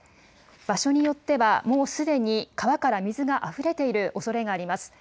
場所によっては、もうすでに川から水があふれているおそれがあります。